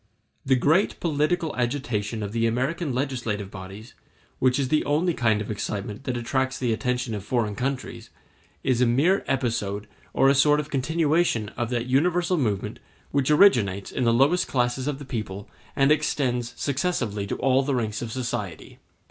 ] The great political agitation of the American legislative bodies, which is the only kind of excitement that attracts the attention of foreign countries, is a mere episode or a sort of continuation of that universal movement which originates in the lowest classes of the people and extends successively to all the ranks of society.